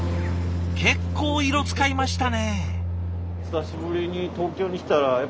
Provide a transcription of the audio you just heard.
結構色使いましたね。